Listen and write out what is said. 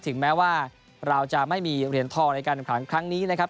ถึงแม้ว่าเราจะไม่มีเหรียญทองในการแข่งขันครั้งนี้นะครับ